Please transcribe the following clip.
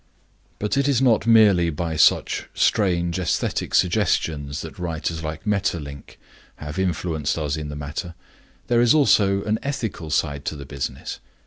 But it is not merely by such strange aesthetic suggestions that writers like Maeterlinck have influenced us in the matter; there is also an ethical side to the business.